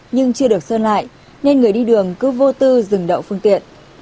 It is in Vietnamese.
nhưng chưa được sơn lại nên người đi đường cứ vô tư dừng đậu phương tiện